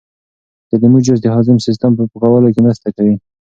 د لیمو جوس د هاضمې سیسټم په پاکولو کې مرسته کوي.